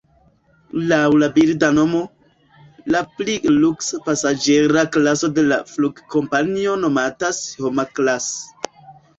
Laŭ la birda nomo, la pli luksa pasaĝera klaso de la flugkompanio nomatas "Homa-Class".